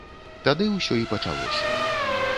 Тады ўсё і пачалося.